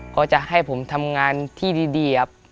ก็จะให้ผมทำงานที่ดีครับ